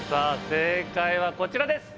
正解はこちらです